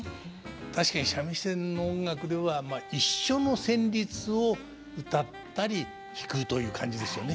確かに三味線の音楽では一緒の旋律をうたったり弾くという感じですよね。